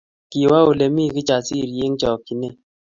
Kiwo Ole mi Kijasiri eng chokchinet